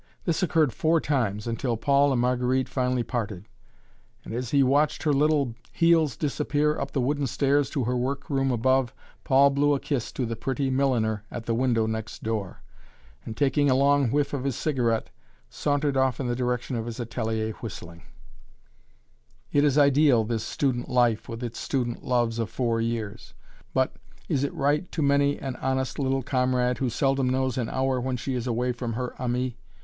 This occurred four times, until Paul and Marguerite finally parted. And, as he watched her little heels disappear up the wooden stairs to her work room above, Paul blew a kiss to the pretty milliner at the window next door, and, taking a long whiff of his cigarette, sauntered off in the direction of his atelier whistling. [Illustration: A MORNING'S WORK] It is ideal, this student life with its student loves of four years, but is it right to many an honest little comrade, who seldom knows an hour when she is away from her ami?